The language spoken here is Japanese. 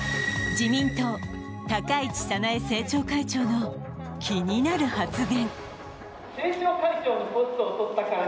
自民党、高市早苗政調会長の気になる発言。